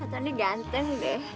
a'atoni ganteng deh